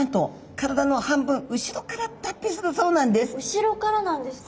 後ろからなんですか。